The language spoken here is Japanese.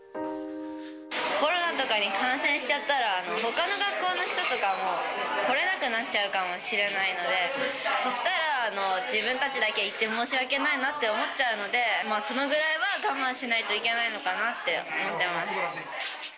コロナとかに感染しちゃったら、ほかの学校の人とかも来れなくなっちゃうかもしれないので、そしたら、自分たちだけ行って申し訳ないなって思っちゃうので、そのぐらいは我慢しないといけないのかなと思ってます。